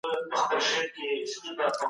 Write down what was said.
چي ياقربان ووايم دا يې بيا، بيا هيــله وكړي